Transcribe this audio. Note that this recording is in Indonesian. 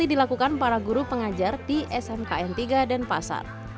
ini dilakukan para guru pengajar di smkn tiga dan pasar